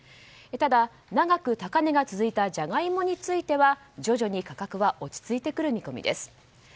ただ、長く高値が続いたジャガイモについては徐々に価格は落ち着いてくる見込みです。